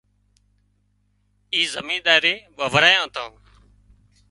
اِي زمينۮارئي وورايان تان